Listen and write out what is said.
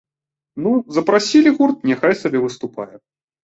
Ну, запрасілі гурт, няхай сабе выступае.